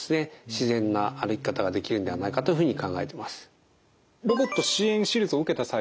自然な歩き方ができるんではないかというふうに考えています。